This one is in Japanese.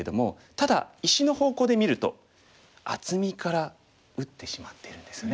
ただ石の方向で見ると厚みから打ってしまってるんですね。